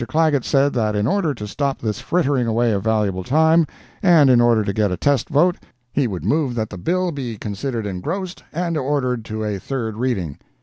Clagett said that in order to stop this frittering away of valuable time, and in order to get a test vote, he would move that the bill be considered engrossed and ordered to a third reading.